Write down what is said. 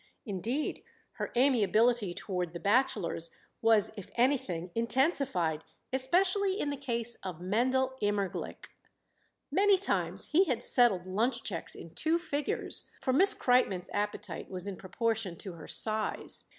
Indeed, her amiability toward the bachelors was if anything intensified, especially in the case of Mendel Immerglick. Many times he had settled lunch checks in two figures, for Miss Kreitmann's appetite was in proportion to her size.